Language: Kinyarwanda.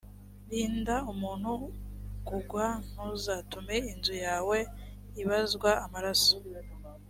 rinda umuntu kugwa: ntuzatume inzu yawe ibazwa amaraso